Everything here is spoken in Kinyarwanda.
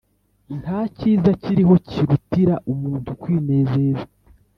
Ntakiza kiriho kirutira umuntu kwinezeza